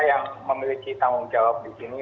yang memiliki tanggung jawab di sini